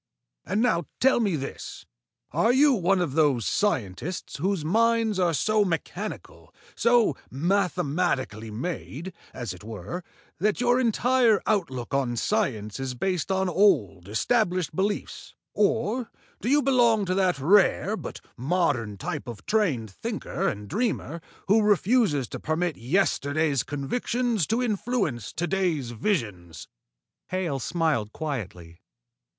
And now tell me this: are you one of those scientists whose minds are so mechanical, so mathematically made, as it were, that your entire outlook on science is based on old, established beliefs, or do you belong to that rare but modern type of trained thinker and dreamer who refuse to permit yesterday's convictions to influence to day's visions?" Hale smiled quietly.